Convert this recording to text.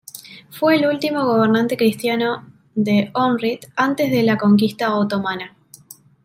Fue el último gobernante cristiano de Ohrid antes de la conquista otomana.